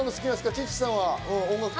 チッチさん。